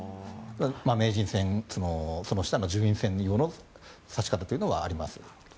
名人戦、その下の順位戦での指し方というのはあります。